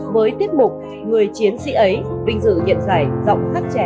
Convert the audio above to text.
với tiết mục người chiến sĩ ấy vinh dự nhiệm giải giọng khắc trẻ triển vọng